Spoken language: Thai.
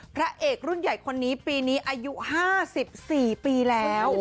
พระเอกรุ่นใหญ่คนนี้ปีนี้อายุ๕๔ปีแล้ว